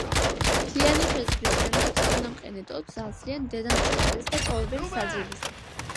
მთლიანი შეზრდის შემდეგ სანამყენე ტოტს აცლიან დედა მცენარეს და ტოვებენ საძირეზე.